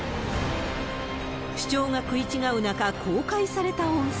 主張が食い違う中、公開された音声。